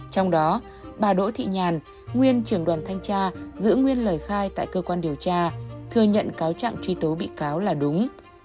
trong đó bà đỗ thị nhàn nguyên trưởng đoàn thanh tra giữ nguyên lời khai tại cơ quan điều tra thừa nhận cáo trạng truy tố bị cáo là đúng